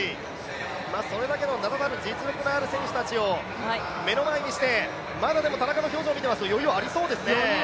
それだけの名だたる実力のある選手たちを目の前にしてまだ田中の表情見てますと余裕ありそうですね。